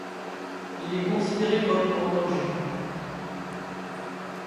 Il est considéré comme en danger.